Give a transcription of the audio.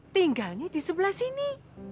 tinggalnya di sebelah sini